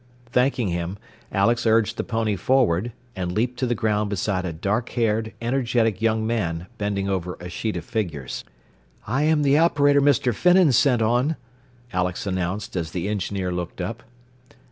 Thanking him, Alex urged the pony forward, and leaped to the ground beside a dark haired, energetic young man bending over a sheet of figures. "I am the operator Mr. Finnan sent on," Alex announced as the engineer looked up.